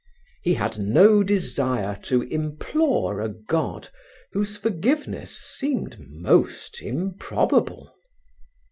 He had no desire to implore a God whose forgiveness seemed most improbable.